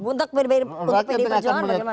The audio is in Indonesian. untuk pdi perjuangan bagaimana